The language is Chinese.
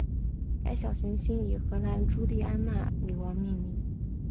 该小行星以荷兰朱丽安娜女王命名。